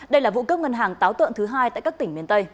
đây là vụ cướp ngân hàng táo tợn thứ hai tại các tỉnh miền tây